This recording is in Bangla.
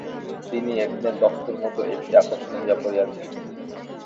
তিনি এখানে দস্তুরমত একটি আকর্ষণ হইয়া পড়িয়াছেন।